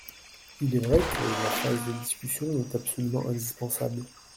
Il est vrai que la phase de discussion est absolument indispensable.